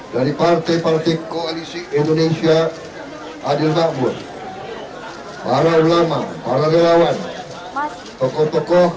dari partai partai koalisi indonesia adil makmur para ulama para relawan tokoh tokoh